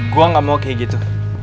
gue gak mau kayak gitu